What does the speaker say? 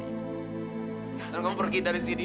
kalau kamu pergi dari sini